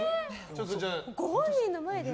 ご本人の前で？